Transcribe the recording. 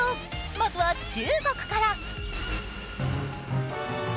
まずは中国から。